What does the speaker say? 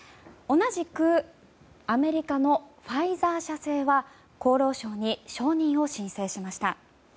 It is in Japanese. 同じくアメリカのファイザー社製は厚労省に承認を申請しました。